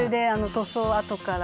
塗装をあとから。